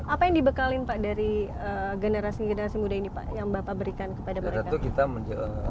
apa yang dibekalin pak dari generasi generasi muda ini pak yang bapak berikan kepada mereka